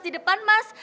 di depan mas